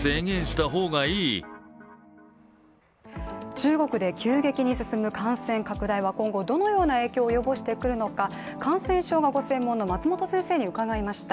中国で急激に進む感染拡大は今後、どのような影響を及ぼしてくるのか感染症がご専門の松本先生に伺いました。